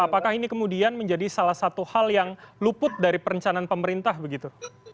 apakah ini kemudian menjadi salah satu hal yang luput dari perencanaan pemerintah begitu